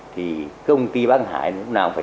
thì công ty bắc hải lúc nào cũng phải đóng vào